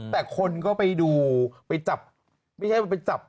แต่คนก็ไปดูไปจับ